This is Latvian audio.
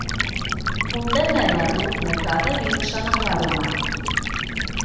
Un te nevar būt nekāda vilkšana garumā!